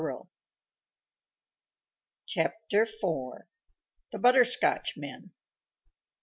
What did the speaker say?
CHAPTER IV. THE BUTTERSCOTCHMEN.